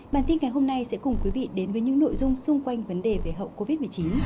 bản tin ngày hôm nay sẽ cùng quý vị đến với những nội dung xung quanh vấn đề về hậu covid một mươi chín